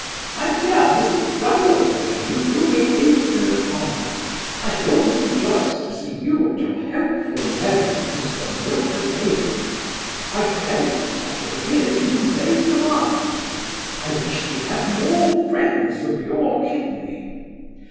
'My dear Mr Brambleberry! you do me infinite honour I shall always rejoice to see you and your hopeful nephew, Mr Milfordhaven My credit, such as it is, you may command I wish we had more friends of your kidney.